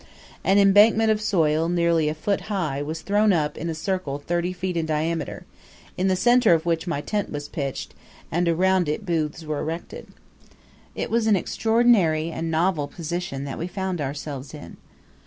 An embankment of soil, nearly a foot high, was thrown up in a circle thirty feet in diameter, in the centre of which my tent was pitched, and around it booths were erected. It was an extraordinary and novel position that we found ourselves in.